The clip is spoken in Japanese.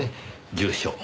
住所